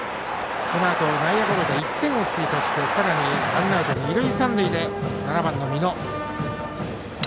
このあと内野ゴロで１点を追加してさらにワンアウト二塁三塁で７番の美濃。